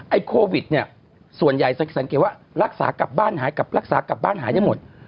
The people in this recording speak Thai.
โควิดเนี่ยส่วนใหญ่จะสังเกตว่ารักษากลับบ้านหายกับรักษากลับบ้านหายได้หมด